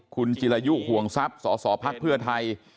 คุณจิลายุห่วงทรัพย์สศภไทย